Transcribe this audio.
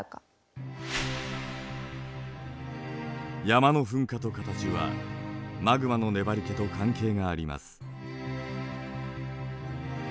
山の噴火と形はマグマの粘りけと関係があります。